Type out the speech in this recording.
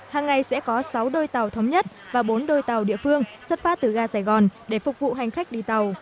hàng ngày sẽ có sáu đôi tàu thống nhất và bốn đôi tàu địa phương xuất phát từ ga sài gòn để phục vụ hành khách đi tàu